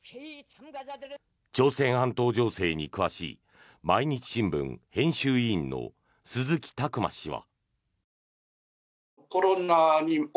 朝鮮半島情勢に詳しい毎日新聞編集委員の鈴木琢磨氏は。